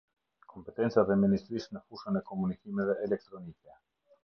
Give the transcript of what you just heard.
Kompetencat e Ministrisë në fushën e komunikimeve elektronike.